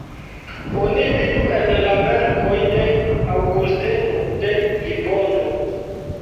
Oni vidu en la verkoj de Aŭgusteno de Hipono.